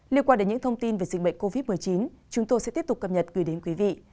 liên quan đến những thông tin về dịch bệnh covid một mươi chín chúng tôi sẽ tiếp tục cập nhật gửi đến quý vị